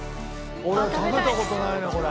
俺食べた事ないなこれ。